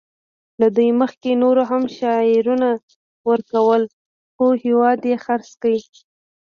له دوی مخکې نورو هم شعارونه ورکول خو هېواد یې خرڅ کړ